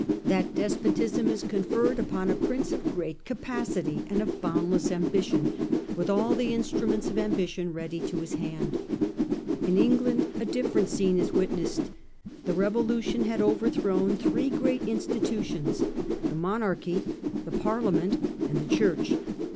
That despotism is conferred upon a Prince of great capacity and of boundless ambition, with all the instruments of ambition ready to his hand. In England a different scene is witnessed. The revolution had overthrown three great institutions, the Monarchy, the Parliament, and the Church.